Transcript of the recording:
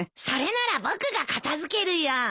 それなら僕が片付けるよ。